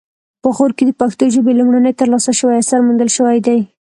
په غور کې د پښتو ژبې لومړنی ترلاسه شوی اثر موندل شوی دی